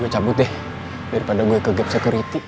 cabut deh daripada gue ke gap security